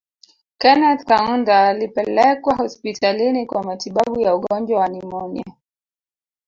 Kenneth Kaunda alipelekwa hospitalini kwa matibabu ya ugonjwa wa nimonia